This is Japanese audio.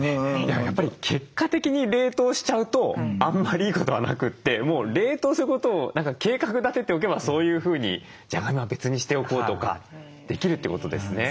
やっぱり結果的に冷凍しちゃうとあんまりいいことはなくて冷凍することを計画立てておけばそういうふうにじゃがいもは別にしておこうとかできるってことですね。